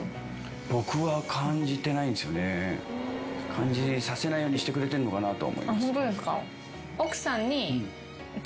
感じさせないようにしてくれてんのかなと思います。